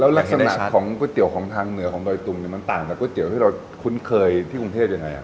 ลักษณะของก๋วยเตี๋ยวของทางเหนือของดอยตุงมันต่างกับก๋วยเตี๋ยวที่เราคุ้นเคยที่กรุงเทพยังไง